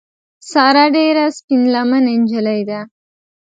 ساره ډېره سپین لمنې نجیلۍ ده.